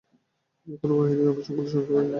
পৃথিবীর কোনো কাহিনী আমি সম্পূর্ণ শুনিতে পাই না।